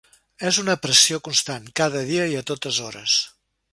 És una pressió constant, cada dia i a totes hores.